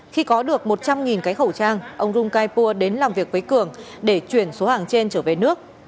khi có được một trăm linh cái khẩu trang ông rung kaipua đến làm việc với cường để chuyển số hàng trên trở về nước